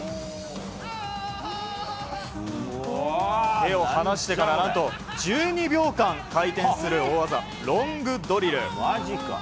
手を放してから何と１２秒間回転する大技ロングドリル。